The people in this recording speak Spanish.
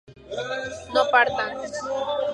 no partan